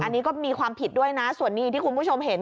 อันนี้ก็มีความผิดด้วยนะส่วนนี้ที่คุณผู้ชมเห็น